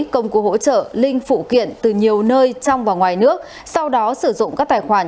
công cụ hỗ trợ linh phụ kiện từ nhiều nơi trong và ngoài nước sau đó sử dụng các tài khoản